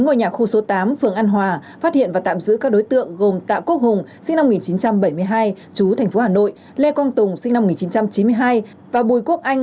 ngôi nhà khu số tám phường an hòa phát hiện và tạm giữ các đối tượng gồm tạ quốc hùng